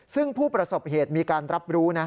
ซึ่งผู้ประสบเหตุมีการรับรู้นะ